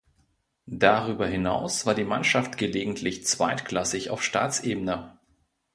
Darüber hinaus war die Mannschaft gelegentlich zweitklassig auf Staatsebene.